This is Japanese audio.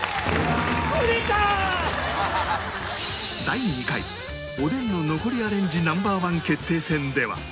第２回おでんの残りアレンジ Ｎｏ．１ 決定戦では